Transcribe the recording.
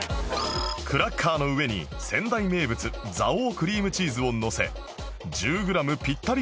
クラッカーの上に仙台名物蔵王クリームチーズをのせ１０グラムピッタリを目指す